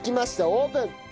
オープン！